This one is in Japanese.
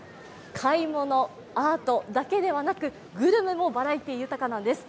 買い物、アートだけではなく、グルメもバラエティー豊かなんです。